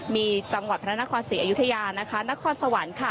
มีจังหวัดพระนครศรีอยุธยานะคะนครสวรรค์ค่ะ